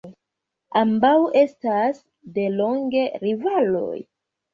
Ambaŭ estas delonge rivaloj.